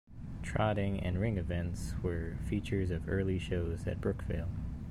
Trotting and ring events were features of early shows at Brookvale.